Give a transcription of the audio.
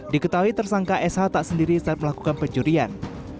diketahui tersangka sh tak sendiri saat melakukan pencurian